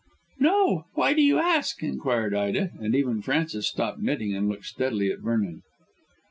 "No. Why do you ask?" inquired Ida, and even Frances stopped knitting to look steadily at Vernon.